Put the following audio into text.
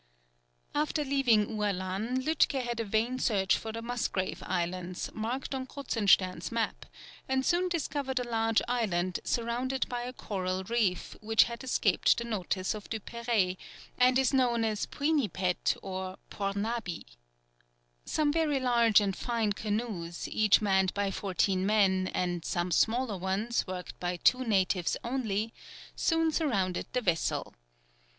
[Illustration: Native of Ualan. (Fac simile of early engraving.)] After leaving Ualan, Lütke had a vain search for the Musgrave Islands, marked on Kruzenstern's map, and soon discovered a large island, surrounded by a coral reef, which had escaped the notice of Duperrey, and is known as Puinipet, or Pornabi. Some very large and fine canoes, each manned by fourteen men, and some smaller ones, worked by two natives only, soon surrounded the vessel.